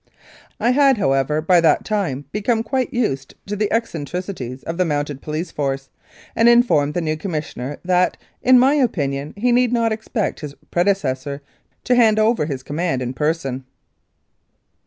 I had, however, by that time become quite used to the eccentricities of the Mounted Police Force, and informed the new Commissioner that, in my opinion, he need not expect his predecessor to hand over his command in person.